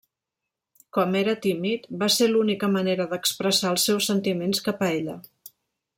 Com era tímid, va ser l'única manera d'expressar els seus sentiments cap a ella.